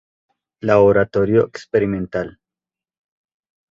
Laboratorio experimental.